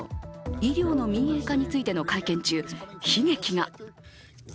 医療の民営化についての会見中悲劇が。